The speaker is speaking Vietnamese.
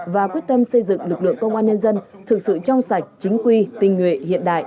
và quyết tâm xây dựng lực lượng công an nhân dân thực sự trong sạch chính quy tình nguyện hiện đại